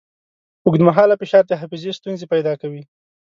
اوږدمهاله فشار د حافظې ستونزې پیدا کوي.